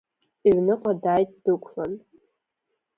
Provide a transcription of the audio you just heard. Иҩныҟа дааит дықәлан.